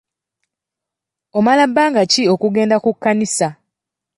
Omala bbanga ki okugenda ku kkanisa?